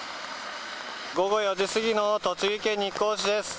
午後４時過ぎの栃木県日光市です。